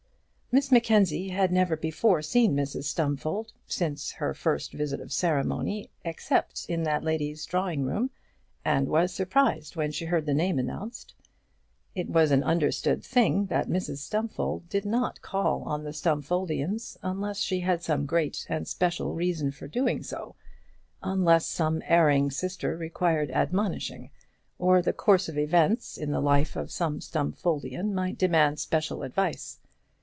Miss Mackenzie had never before seen Mrs Stumfold since her first visit of ceremony, except in that lady's drawing room, and was surprised when she heard the name announced. It was an understood thing that Mrs Stumfold did not call on the Stumfoldians unless she had some great and special reason for doing so, unless some erring sister required admonishing, or the course of events in the life of some Stumfoldian might demand special advice.